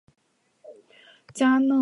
加罗讷河畔萨莱。